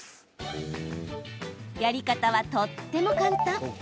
やり方は、とっても簡単。